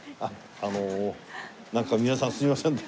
あのなんか皆さんすみません。